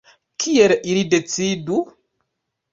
Kiel ili decidu?